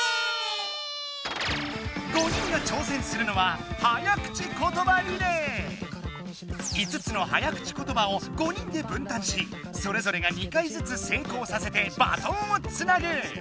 ５人が挑戦するのは５つの早口ことばを５人で分担しそれぞれが２回ずつ成功させてバトンをつなぐ。